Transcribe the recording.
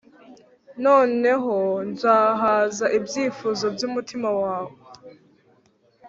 noneho nzahaza ibyifuzo byumutima wawe